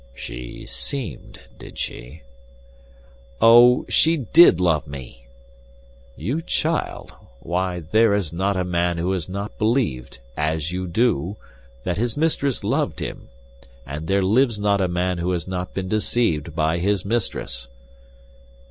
"She seemed, did she?" "Oh, she did love me!" "You child, why, there is not a man who has not believed, as you do, that his mistress loved him, and there lives not a man who has not been deceived by his mistress."